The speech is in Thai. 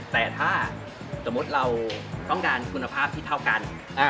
แต่ถ้าสมมุติเราต้องการคุณภาพที่เท่ากัน